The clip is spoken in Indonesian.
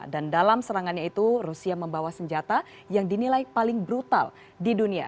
dan dalam serangannya itu rusia membawa senjata yang dinilai paling brutal di dunia